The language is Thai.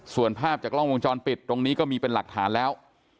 ส่วนภาพจากกล้องวงจรปิดตรงนี้ก็มีเป็นหลักฐานแล้ว